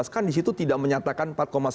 kan di situ tidak menyatakan empat sembilan